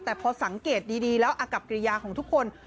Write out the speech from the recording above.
แต่พอสังเกตดีแล้วอากับกิริยาของทุกคน